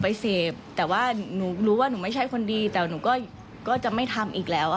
ไปเสพแต่ว่าหนูรู้ว่าหนูไม่ใช่คนดีแต่หนูก็จะไม่ทำอีกแล้ว